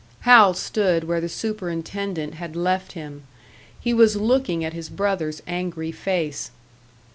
Hal stood where the superintendent had left him. He was looking at his brother's angry face.